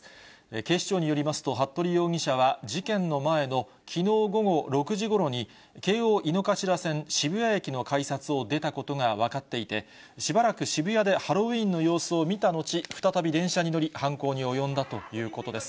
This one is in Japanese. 警視庁によりますと、服部容疑者は事件の前のきのう午後６時ごろに、京王井の頭線渋谷駅の改札を出たことが分かっていて、しばらく渋谷でハロウィーンの様子を見た後、再び電車に乗り、犯行に及んだということです。